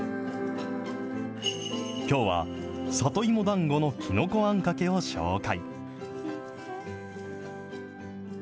きょうは、里芋だんごのきのこあんかけを紹介。